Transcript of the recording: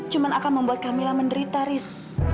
cuma akan membuat kamilah menderita ris